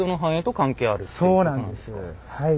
そうなんですはい。